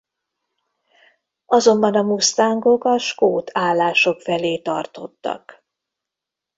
Azonban a mustangok a skót állások felé tartottak.